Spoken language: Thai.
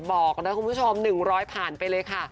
บอกนะคุณผู้ชม๑๐๐ผ่านไปเลยค่ะ